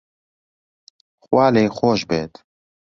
خوا لێی خۆش بێت